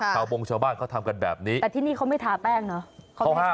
เขาโบรงชาวบ้านก็ทำกันแบบนี้แต่ที่นี่เขาไม่ทาแป้งเหรอ